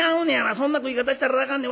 そんな食い方したらあかんねん。